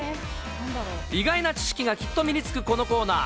意外な知識がきっと身につく、このコーナー。